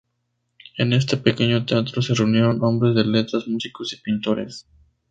En este pequeño teatro se reunieron hombres de letras, músicos y pintores.